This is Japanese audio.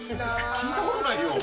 聞いたことないですよ。